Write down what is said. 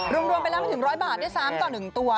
รวมรวมไปแล้วไม่ถึง๑๐๐บาทได้ซ้ำกว่า๑ตัว